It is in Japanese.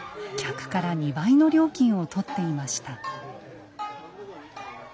客から２倍の料金をとっていました。